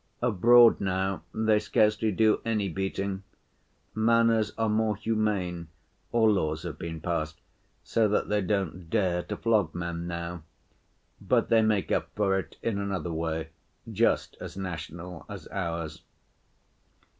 Abroad now they scarcely do any beating. Manners are more humane, or laws have been passed, so that they don't dare to flog men now. But they make up for it in another way just as national as ours.